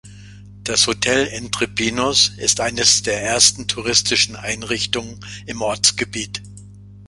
Das Hotel "Entre Pinos" ist eines der ersten touristischen Einrichtungen im Ortsgebiet.